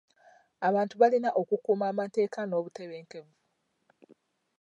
Abantu balina okukuuma amateeka n'obutebenkevu.